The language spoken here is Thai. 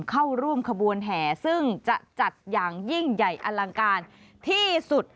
เข้าร่วมขบวนแห่ซึ่งจะจัดอย่างยิ่งใหญ่อลังการที่สุด